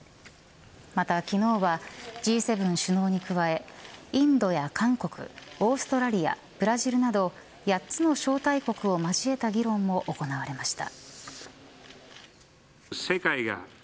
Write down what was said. また昨日はＧ７首脳に加えインドや韓国、オーストラリアブラジルなど８つの招待国を交えた議論も行われました。